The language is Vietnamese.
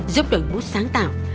giúp đổi mút sáng tạo